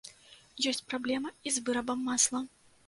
Ёсць праблема і з вырабам масла.